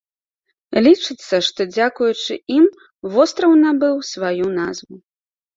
Лічыцца, што дзякуючы ім востраў набыў сваю назву.